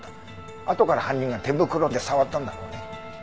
あとから犯人が手袋で触ったんだろうね。